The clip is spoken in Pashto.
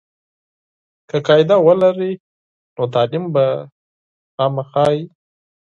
که قاعده ولري، نو تعلیم به دقیق وي.